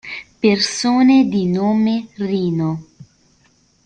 Persone di nome Rino